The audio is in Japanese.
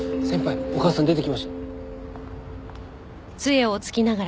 先輩お母さん出てきました。